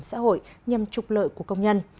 hành vi xã hội nhằm trục lợi của công nhân